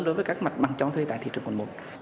đối với các mặt bằng cho thuê tại thị trường quận một